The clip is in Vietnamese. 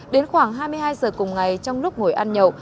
đến khoảng hai mươi hai giờ cùng ngày trong lúc ngồi ăn nhậu